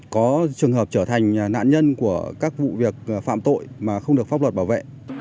có trường hợp trở thành nạn nhân của các vụ việc phạm tội mà không được pháp luật bảo vệ